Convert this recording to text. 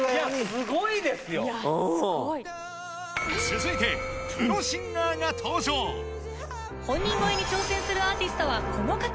続いてプロシンガーが登場本人超えに挑戦するアーティストはこの方！